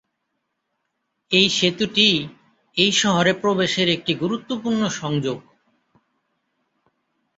এই সেতুটি এই শহরে প্রবেশের একটি গুরুত্বপূর্ণ সংযোগ।